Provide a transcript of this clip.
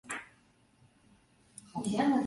日军相继攻下重镇包头。